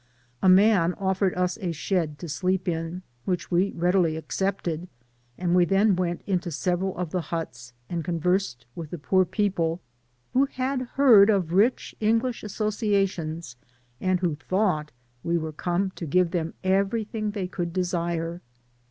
A man offered us a shed to sleep in, which we readily accepted, and we then went into several o( the huts, and conversed with, the poor people, who Digitized byGoogk 62 JOURNEY TO THE had heard of rich English associations, and who thought we were come to give them everything they could desire.